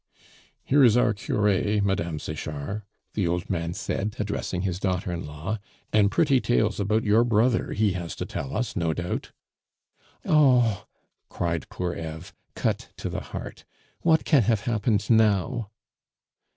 "Here is our cure, Mme. Sechard," the old man said, addressing his daughter in law, "and pretty tales about your brother he has to tell us, no doubt!" "Oh!" cried poor Eve, cut to the heart; "what can have happened now?"